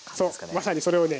まさにそれをね